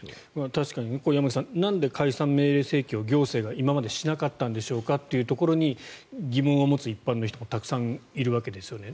確かに、山口さんなんで解散命令請求を行政が今までしなかったんでしょうかというところに疑問を持つ一般の人もたくさんいるわけですよね。